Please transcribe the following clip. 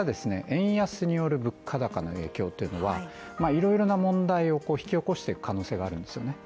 円安による物価高の影響というのはいろいろな問題を引き起こしている可能性があるんですよね